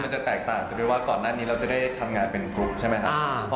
จะแตกต่างกันด้วยว่าก่อนหน้านี้เราจะได้ทำงานเป็นกลุ่มใช่ไหมครับ